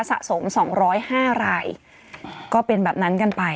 สะสม๒๐๕รายก็เป็นแบบนั้นกันไป